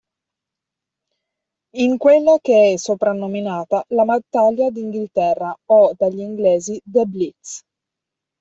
In quella che è soprannominata "La Battaglia d'Inghilterra" o, dagli inglesi, "The Blitz".